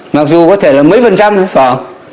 mặc dù có thể là mấy phần trăm nữa phải không